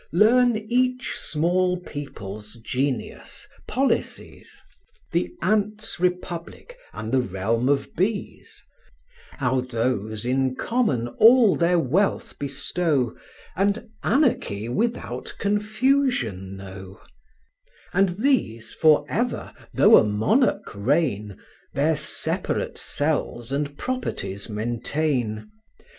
Learn each small people's genius, policies, The ant's republic, and the realm of bees; How those in common all their wealth bestow, And anarchy without confusion know; And these for ever, though a monarch reign, Their separate cells and properties maintain.